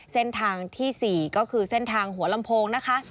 เส้นทางที่๔ก็คือเส้นทางหัวลำโพงนะคะ